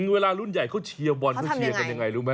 เวลารุ่นใหญ่เขาเชียร์บอลเขาเชียร์กันยังไงรู้ไหม